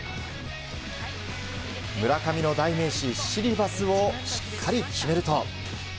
村上の代名詞、シリバスをしっかり決めると。